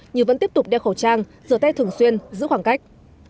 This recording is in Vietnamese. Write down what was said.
nhưng vẫn tiếp tục đeo khẩu trang rửa tay thường xuyên giữ khoảng cách